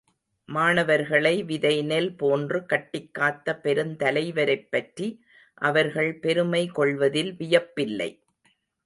மாணவர்களை விதைநெல் போன்று கட்டிக் காத்த பெருத் தலைவரைப் பற்றி அவர்கள் பெருமை கொள்வதில் வியப்பில்லை.